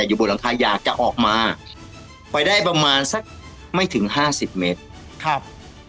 อยู่บนหลังคาอยากจะออกมาไปได้ประมาณสักไม่ถึงห้าสิบเมตรครับ